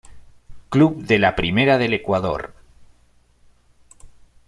Club de la primera del Ecuador.